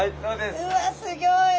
うわすギョい！